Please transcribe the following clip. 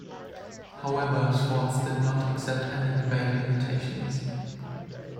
However, Schwartz did not accept any debate invitations.